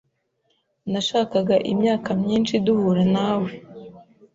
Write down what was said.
Nashakaga imyaka myinshi duhura nawe.